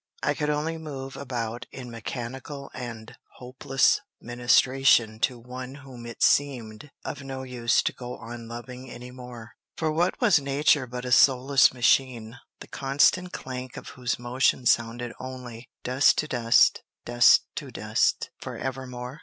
I could only move about in mechanical and hopeless ministration to one whom it seemed of no use to go on loving any more; for what was nature but a soulless machine, the constant clank of whose motion sounded only, "Dust to dust; dust to dust," forevermore?